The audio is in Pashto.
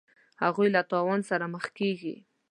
هغوی له تاوان سره مخ کیږي.